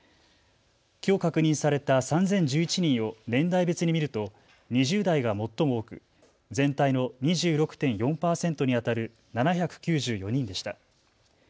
きょう確認された３０１１人を年代別に見ると２０代が最も多く全体の２６．４％にあたる７９４人でした。